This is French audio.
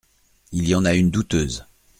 Il y en a une douteuse.